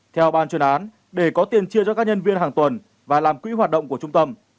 theo ban chuyên án để có tiền chia cho các nhân viên hàng tuần và làm quỹ hoạt động của trung tâm